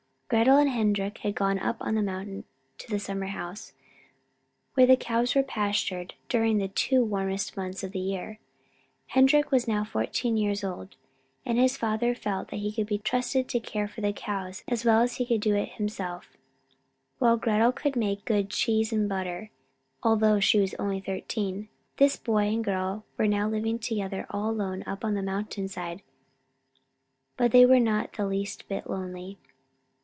Gretel and Henrik had gone up on the mountain to the summer house, where the cows were pastured during the two warmest months of the year. Henrik was now fourteen years old, and his father felt that he could be trusted to care for the cows as well as he could do it himself; while Gretel could make good cheese and butter, although she was only thirteen. This boy and girl were now living together all alone up on the mountain side, but they were not the least bit lonely.